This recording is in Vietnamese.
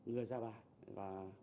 người ra bài và